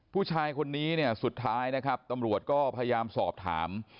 ผู้ชายคนนี้เนี่ยสุดท้ายนะครับตำรวจก็พยายามสอบถาม